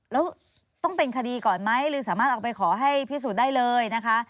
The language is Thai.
แล้วต้องเป็นคดีก่อนไหมหรือสามารถเอาไปขอให้พิสูจน์ได้เลยนะคะ